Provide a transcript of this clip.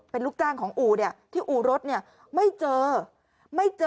อ้อฟ้าอ้อฟ้า